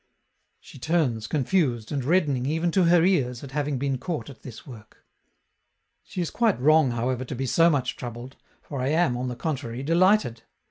She turns confused, and reddening even to her ears at having been caught at this work. She is quite wrong, however, to be so much troubled, for I am, on the contrary, delighted.